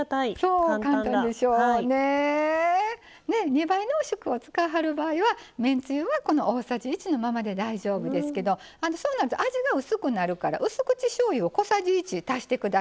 ２倍濃縮を使いはる場合はめんつゆはこの大さじ１のままで大丈夫ですけどそうなると味が薄くなるからうす口しょうゆを小さじ１足して下さい。